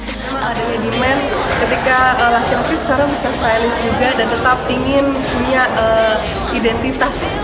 karena adanya demand ketika laki laki sekarang bisa stylist juga dan tetap ingin punya identitas